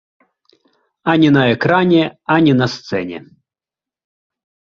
Ані на экране, ані на сцэне.